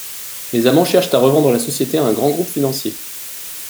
Les amants cherchent à revendre la société à un grand groupe financier...